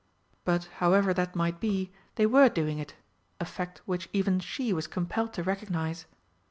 But, however that might be, they were doing it a fact which even she was compelled to recognise.